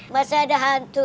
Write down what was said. mas ada hantu